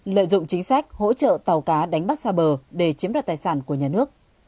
lợi dụng chính sách hỗ trợ tàu cá đánh bắt xa bờ để chiếm đoạt tài sản của nhà nước